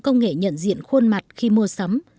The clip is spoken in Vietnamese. công nghệ nhận diện khuôn mặt khi mua sắm